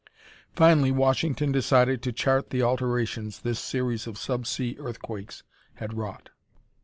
Finally Washington decided to chart the alterations this series of sub sea earthquakes had wrought.